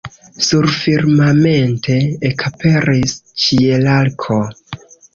Surfirmamente ekaperis ĉielarko.